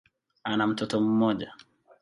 Ana mtoto mmoja.